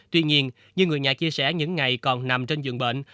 tuy nhiên như người nhà chia sẻ những ngày còn nằm trên giường bệnh